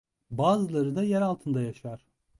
Bazıları da yer altında yaşar.